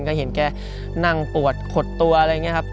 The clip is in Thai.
ก็เห็นแกนั่งปวดขดตัวอะไรอย่างนี้ครับ